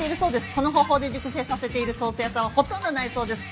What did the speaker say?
この方法で熟成させているソース屋さんはほとんどないそうです。